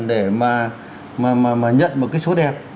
để mà nhận một cái số đẹp